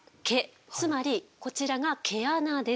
つまりこちらが毛穴です。